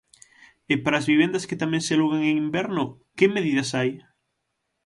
E para as vivendas que tamén se aluguen en inverno, ¿que medidas hai?